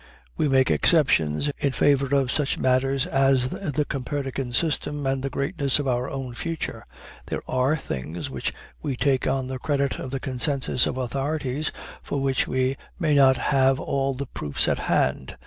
We make exceptions in favor of such matters as the Copernican system and the greatness of our own future. There are things which we take on the credit of the consensus of authorities, for which we may not have all the proofs at hand.